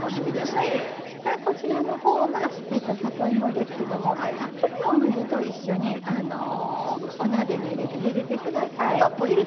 こちらのほうが、里芋ですけどもたっぷりのお水と一緒にお鍋に入れて、ゆでてください。